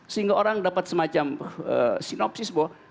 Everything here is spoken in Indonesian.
sehingga orang dapat semacam sinopsis bahwa